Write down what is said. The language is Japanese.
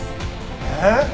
えっ！？